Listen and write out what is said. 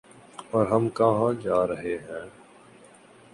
اورہم کہاں جارہے ہیں؟